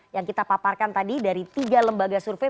yang kita paparkan tadi dari tiga lembaga survei